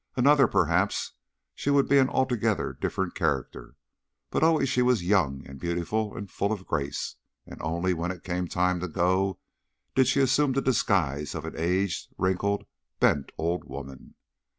Another perhaps she would be an altogether different character, but always she was young and beautiful and full of grace, and only when it came time to go did she assume the disguise of an aged, wrinkled, bent old woman.